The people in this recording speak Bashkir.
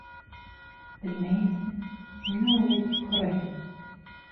— Белмәйемсе, ниңә улай тип һорайһың?